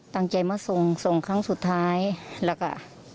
ตั้งใจมาส่งส่งครั้งสุดท้ายแล้วก็